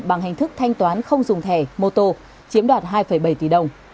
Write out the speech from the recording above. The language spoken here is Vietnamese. bằng hình thức thanh toán không dùng thẻ mô tô chiếm đoạt hai bảy tỷ đồng